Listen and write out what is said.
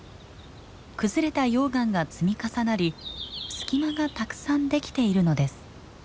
崩れた溶岩が積み重なり隙間がたくさんできているのです。